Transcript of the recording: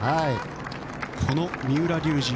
この三浦龍司